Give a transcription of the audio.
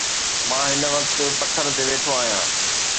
مان هن وقت پٿر تي ويٺو آهيان